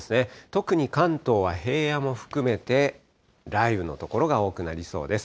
特に関東は平野も含めて、雷雨の所が多くなりそうです。